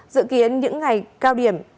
dự kiến những ngày cao điểm